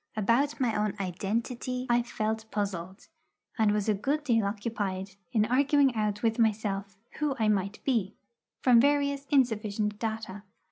About my own identity I felt puzzled, and was a good deal occupied in arguing out with myself who I might be, from various insufficient data.